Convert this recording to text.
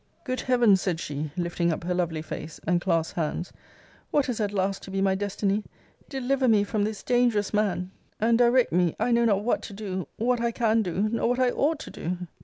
Good heaven! said she, lifting up her lovely face, and clasped hands, what is at last to be my destiny? Deliver me from this dangerous man; and direct me I know not what to do, what I can do, nor what I ought to do!